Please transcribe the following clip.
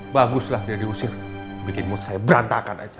baguslah dia diusir bikinmu saya berantakan aja